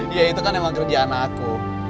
ya itu kan emang kerjaan aku